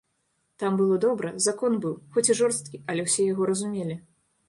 Там было добра, закон быў, хоць і жорсткі, але ўсе яго разумелі.